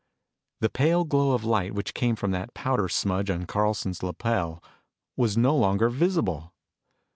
The pale glow of light which came from that powder smudge on Carlson's lapel was no longer visible!